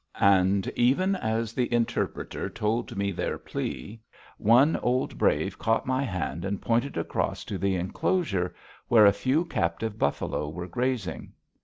And even as the interpreter told me their plea, one old brave caught my hand and pointed across to the enclosure, where a few captive buffalo were grazing.